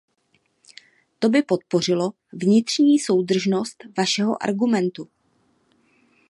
To by podpořilo vnitřní soudržnost vašeho argumentu.